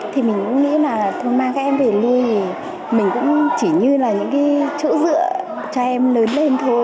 thì mình cũng nghĩ là thôi mang các em về nuôi thì mình cũng chỉ như là những cái chỗ dựa cho em lớn lên thôi